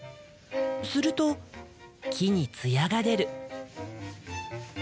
すると木に艶が出る。